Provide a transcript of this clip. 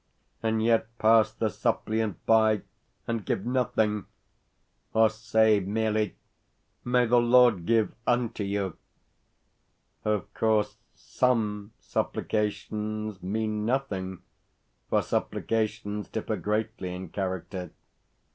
and yet pass the suppliant by and give nothing, or say merely: "May the Lord give unto you!" Of course, SOME supplications mean nothing (for supplications differ greatly in character).